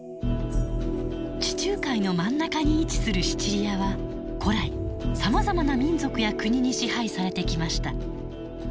地中海の真ん中に位置するシチリアは古来さまざまな民族や国に支配されてきました。